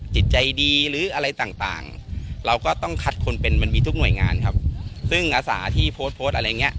จิตใจดีหรืออะไรต่างเราก็ต้องคัดคนเป็นมันมีทุกหน่วยงานครับซึ่งอาสาที่โพสต์โพสต์อะไรอย่างเงี้